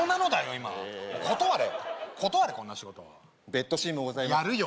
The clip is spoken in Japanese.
今断れ断れこんな仕事ベッドシーンもございやるよ